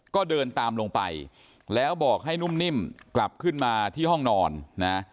ก็เดินตามลงไปแล้วบอกให้นุ่มนิ่มกลับขึ้นมาที่ห้องนอนนะ